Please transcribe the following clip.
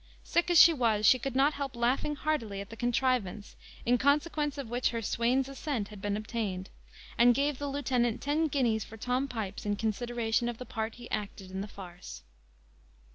Sick as she was, she could not help laughing heartily at the contrivance, in consequence of which her swain's assent had been obtained, and gave the lieutenant ten guineas for Tom Pipes, in consideration of the part he acted in the farce.